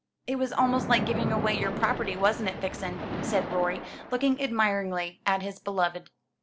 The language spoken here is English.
"It was almost like giving away your property, wasn't it, Vixen?" said Rorie, looking admiringly at his beloved.